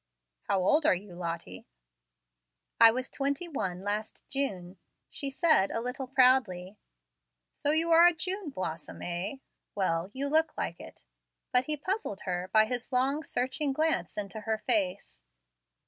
"How old are you, Lottie?" "I was twenty one last June," she said, a little proudly. "So you are a June blossom, eh? Well, you look like it." But he puzzled her by his long, searching glance into her face.